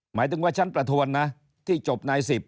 หมายถึงว่าชั้นประทวนนะที่จบนาย๑๐